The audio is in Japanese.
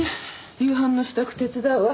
夕飯の支度手伝うわ。